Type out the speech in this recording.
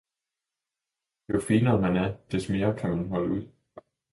jo finere man er, des mere kan man holde ud.